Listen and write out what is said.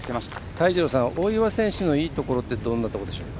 泰二郎さん、大岩選手のいいところってどんなところでしょうか。